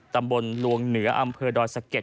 ตำบลลวงเหนืออำเภอดอยสะเก็ด